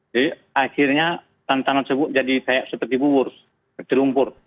jadi akhirnya tanah tanah tersebut jadi kayak seperti bubur seperti lumpur